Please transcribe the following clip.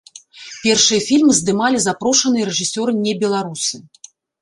Першыя фільмы здымалі запрошаныя рэжысэры-небеларусы.